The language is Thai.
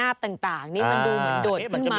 มันทำไมมันมาดูดขึ้นมา